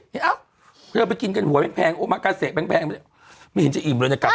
ให้ลองไปกินกันหัวแพงมักกาแห่งไม่เห็นจะอี๋มรายการ